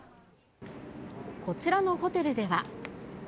こちらのホテルでは。